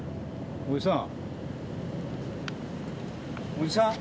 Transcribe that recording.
おじさん。